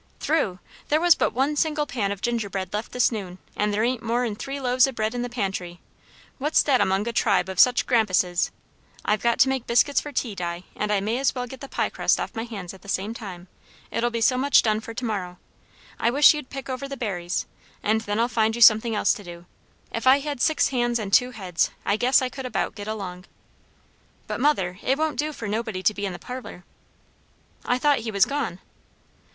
"Through! There was but one single pan of ginger bread left this noon; and there ain't more'n three loaves o' bread in the pantry. What's that among a tribe o' such grampuses? I've got to make biscuits for tea, Di; and I may as well get the pie crust off my hands at the same time; it'll be so much done for to morrow. I wish you'd pick over the berries. And then I'll find you something else to do. If I had six hands and two heads, I guess I could about get along." "But, mother, it won't do for nobody to be in the parlour." "I thought he was gone?"